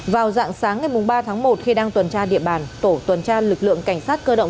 vào dạng sáng ngày ba tháng một khi đang tuần tra địa bàn tổ tuần tra lực lượng cảnh sát cơ động